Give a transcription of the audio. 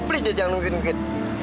please dia jangan nungguin kit